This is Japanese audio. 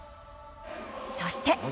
そして。